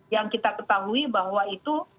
yang kita ketahui bahwa itu